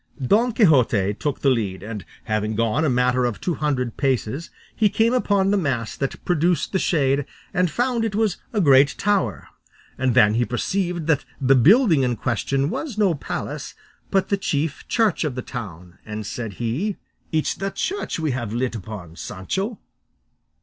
Don Quixote took the lead, and having gone a matter of two hundred paces he came upon the mass that produced the shade, and found it was a great tower, and then he perceived that the building in question was no palace, but the chief church of the town, and said he, "It's the church we have lit upon, Sancho."